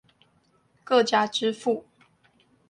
各家支付